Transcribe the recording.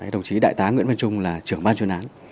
đồng chí đại tá nguyễn văn trung là trưởng ban chuyên án